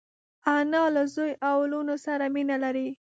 انا له زوی او لوڼو سره مینه لري